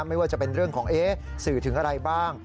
ไม่ว่าจะเป็นเรื่องของสื่อถึงอะไรบ้าง